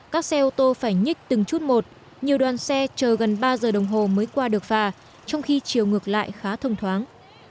các xe ô tô phải nhích từng chút một nhiều đoàn xe chờ gần ba giờ đồng hồ mới qua được phà trong khi chiều ngược lại khá thông thoáng